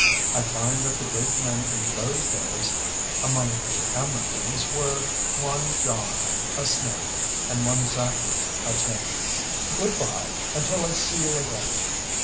I find that the great men in those days among the Amriccans, were one John, a smith, and one Zacchary, a tailor. Good bye, until I see you again.